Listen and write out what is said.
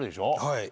はい。